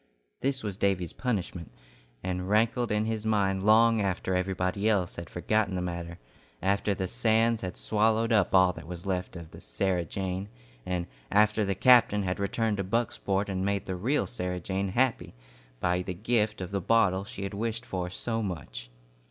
This was Davy's punishment, and rankled in his mind long after everybody else had forgotten the matter, after the sands had swallowed up all that was left of the "Sarah Jane," and after the captain had returned to Bucksport and made the real Sarah Jane happy by the gift of the bottle she had wished for so much.